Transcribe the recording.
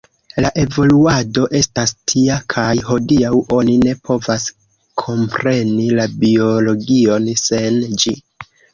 La evoluado estas tia kaj hodiaŭ oni ne povas kompreni la biologion sen ĝi.